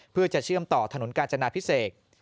เพื่อจะเชื่อมต่อถนนกาญจนาพิเศษ